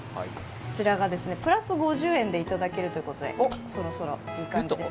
こちらがプラス５０円でいただけるということでそろそろいい感じです。